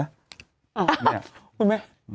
อ้าว